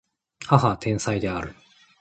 母は天才である